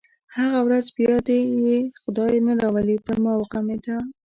هغه ورځ بیا دې یې خدای نه راولي پر ما وغمېده.